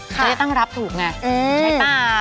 จะได้ตั้งรับถูกไงใช่ป่ะ